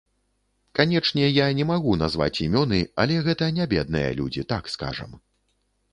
Канечне, я не магу назваць імёны, але гэта нябедныя людзі, так скажам.